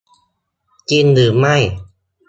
จริงหรือไม่